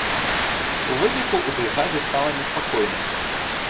У выніку ў брыгадзе стала неспакойна.